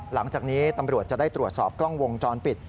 หลังจากนี้ตำรวจจะได้ตรวจสอบกล้องวงจรปิด